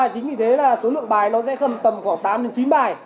chính vì thế là số lượng bài nó sẽ gần tầm khoảng tám đến chín bài